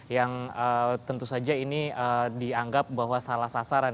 yang tentu saja ini dianggap bahwa salah sasaran